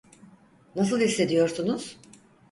Nasıl hissediyorsunuz?